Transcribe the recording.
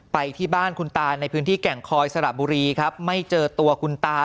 ไปที่บ้านคุณตาในพื้นที่แก่งคอยสระบุรีครับไม่เจอตัวคุณตา